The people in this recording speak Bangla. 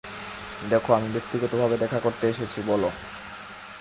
দেখো, আমি ব্যক্তিগতভাবে দেখা করতে এসেছি, বলো।